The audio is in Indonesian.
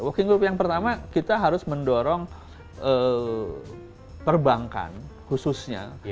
working group yang pertama kita harus mendorong perbankan khususnya